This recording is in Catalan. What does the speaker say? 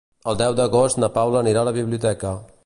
El deu d'agost na Paula anirà a la biblioteca.